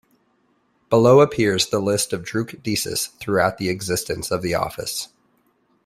Below appears the list of Druk Desis throughout the existence of the office.